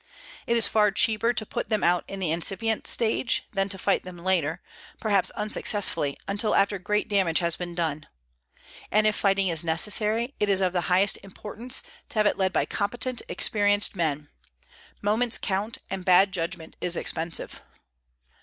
It is far cheaper to put them out in the incipient stage than to fight them later, perhaps unsuccessfully until after great damage has been done. And if fighting is necessary, it is of the highest importance to have it led by competent, experienced men. Moments count, and bad judgment is expensive.